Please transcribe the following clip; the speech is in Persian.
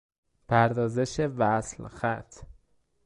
پردازش وصل - خط